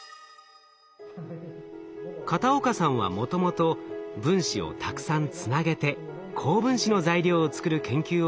片岡さんはもともと分子をたくさんつなげて高分子の材料を作る研究をしていました。